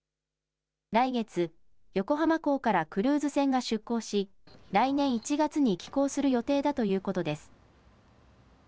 来月、横浜港からクルーズ船が出港し来年１月に帰港する予定だということです。